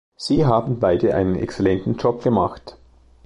Sie haben beide einen exzellenten Job gemacht.